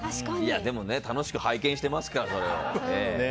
でも楽しく拝見してますから、それを。